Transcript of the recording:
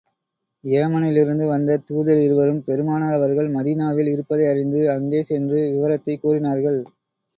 ஏமனிலிருந்து வந்த தூதர் இருவரும், பெருமானார் அவர்கள் மதீனாவில் இருப்பதை அறிந்து, அங்கே சென்று விவரத்தைக் கூறினார்கள்.